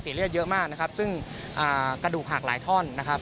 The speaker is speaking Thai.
เลือดเยอะมากนะครับซึ่งกระดูกหักหลายท่อนนะครับ